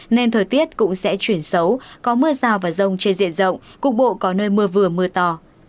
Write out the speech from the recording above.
nên thời tiết cũng sẽ chuyển xấu có mưa rào và rông trên diện rộng cục bộ có nơi mưa vừa mưa to